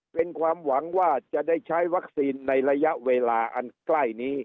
เป็นความหวังว่าจะได้ใช้วัคซีนในระยะเวลาอันใกล้นี้